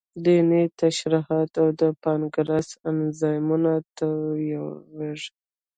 د ینې ترشحات او د پانکراس انزایمونه تویېږي.